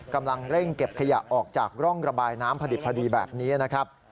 กำลังเร่งเก็บขยะออกจากร่องระบายน้ำพอดิบพอดีแบบนี้นะครับ